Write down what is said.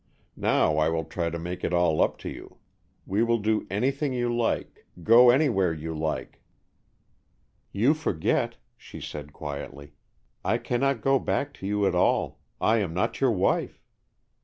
Now I will try to make it all up to you. We will do anything you like, go anywhere you like, " "You forget," she said, quietly, "I cannot go back to you at all. I am not your wife."